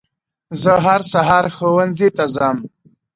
زه هر سهار ښوونځي ته ځم.